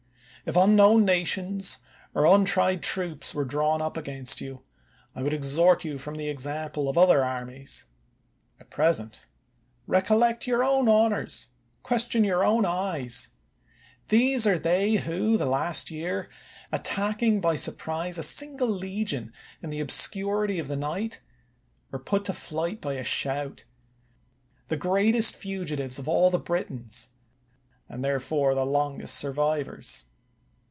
If unknown nations or untried troops were drawn up against you, I would exhort you from the example of other armies. At present, recol lect your own honors, question your own eyes. These are they who, the last year, attacking by surprise a single legion in the obscurity of the night, were put to flight by a shout — the greatest fugitives of all the Britons, and, therefore, the longest survivors.